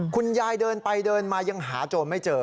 เดินไปเดินมายังหาโจรไม่เจอ